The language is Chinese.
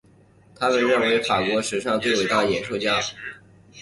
他被认为是法国史上最伟大的演说家。